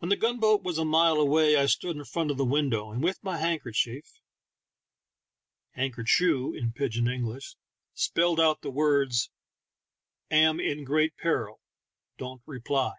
When the gun boat was a mile away I stood in front of the window, and with my handkerchief {han ker choo in pidj in English) spelled out the words, "Am in great peril; don't reply."